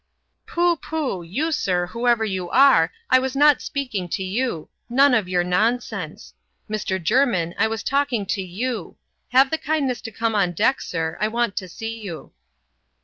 " Pooh, pooh I you, sir, whoever you are, I was not speak ing to you ; none of your nonsense. Mr. Jermin, I was talk ing to you ; have the kindness to come on deck, sir ; I want to see you."